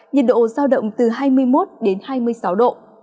nhiệt độ giao động từ hai mươi một đến hai mươi sáu độ